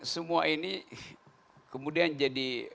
semua ini kemudian jadi